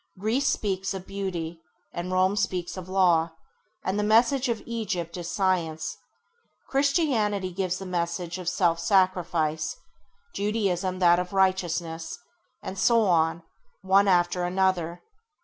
Greece speaks of Beauty, and Rome speaks of Law, and the message of Egypt is Science. Christianity gives the message of Self sacrifice; Judaism that of Righteousness; and so on, one after another.